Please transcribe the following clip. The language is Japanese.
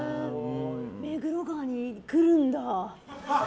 目黒川に来るんだ。